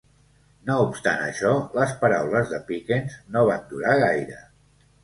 No obstant això, les paraules de Pickens no van durar gaire.